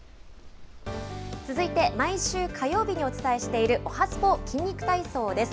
続いて毎週火曜日にお伝えしている、おはＳＰＯ筋肉体操です。